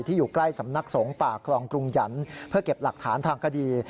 อยู่ใกล้สำนักสงฆ์ป่าคลองกรุงหยันต์เพื่อเก็บหลักฐานทางคดี